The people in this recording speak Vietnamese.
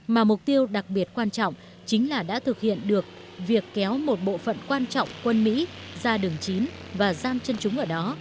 mà mục tiêu đặc biệt quan trọng chính là đã thực hiện được việc kéo một bộ phận quan trọng quân mỹ ra đường chín và giam chân chúng ở đó